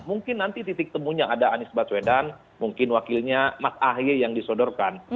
mungkin nanti titik temunya ada anies baswedan mungkin wakilnya mas ahy yang disodorkan